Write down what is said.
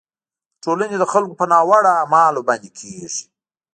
د ټولنې د خلکو په ناوړه اعمالو باندې کیږي.